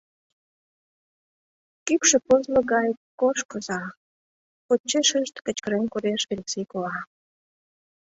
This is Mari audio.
— Кукшо пызле гай кошкыза! — почешышт кычкырен кодеш Элексей кува.